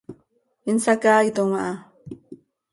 Insacaaitom aha.